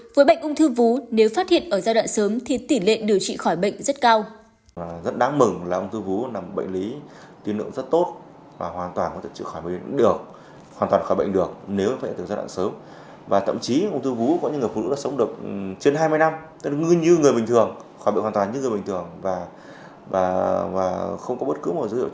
với bệnh ung thư vú nếu phát hiện ở giai đoạn sớm thì tỷ lệ điều trị khỏi bệnh rất cao